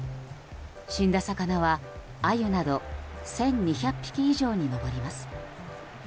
死んだ魚はアユなど１２００匹以上に上ります。